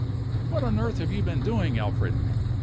"What on earth have you been doing, Alfred?"